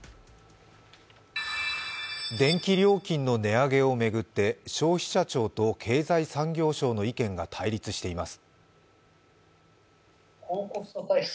電気料金の値上げを巡って消費者庁と経済産業省の意見が対立しています。